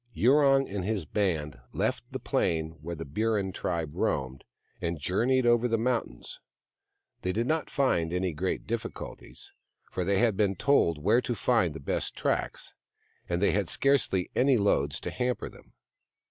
Yurong and his band left the plain where the Burrin tribe roamed, and journeyed over the mountains. They did not find any great difficulties, 136 THE MAIDEN WHO FOUND THE MOON for they had been told where to find the best tracks, and they had scarcely any loads to hamper them.